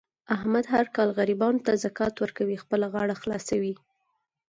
احمد هر کال غریبانو ته زکات ورکوي. خپله غاړه خلاصوي.